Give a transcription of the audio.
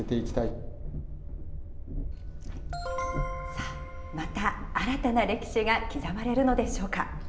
さあ、また新たな歴史が刻まれるのでしょうか。